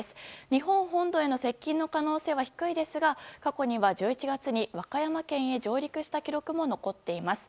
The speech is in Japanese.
日本本土への接近の可能性は低いですが過去には、１１月に和歌山県へ上陸した記録も残っています。